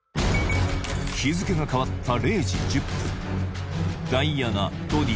日付が変わった０時１０分ダイアナドディ